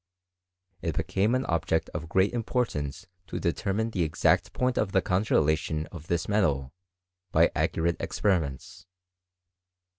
It became an object of great importance to determine the exact point of the congelation of this metal by accurate ex periments.